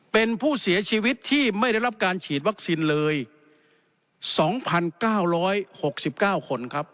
เป็นผู้เสียชีวิตที่ไม่ได้รับการฉีดวัคซีนเลย๒๙๖๙คนครับ